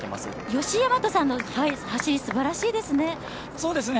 吉居大和さんの走り素晴らしいですね。